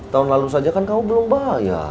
tahun lalu saja kan kamu belum bayar